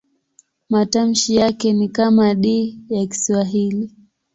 Matamshi yake ni kama D ya Kiswahili.